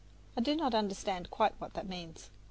I do not understand quite what that means.